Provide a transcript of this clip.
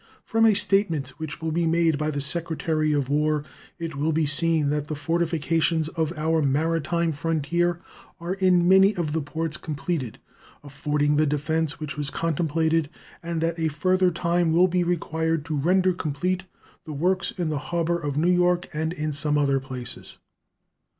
From a statement which will be made by the Secretary of War it will be seen that the fortifications on our maritime frontier are in many of the ports completed, affording the defense which was contemplated, and that a further time will be required to render complete the works in the harbor of New York and in some other places.